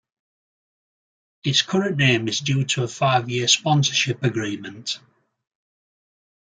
Its current name is due to a five-year sponsorship agreement.